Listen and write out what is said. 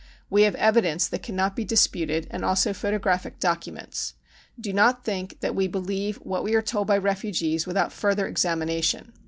We have evidence that cannot be disputed and also photographic documents. Do not think that we believe what we are told by refugees without further examination.